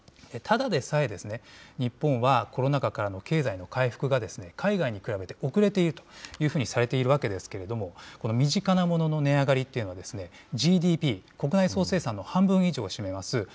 ただでさえ日本はコロナ禍からの経済の回復が、海外に比べて遅れているというふうにされているわけですけれども、この身近な物の値上がりというのは、ＧＤＰ・国内総生産の半分以上を占めます